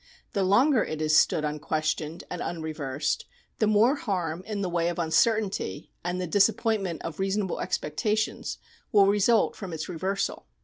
The longer it has stood unquestioned and uiu eversed, the more harm in the way of uncertainty and the disappointment of reasonable expectations will result from its reversal.